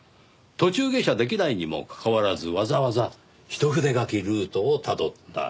途中下車できないにもかかわらずわざわざ一筆書きルートをたどった。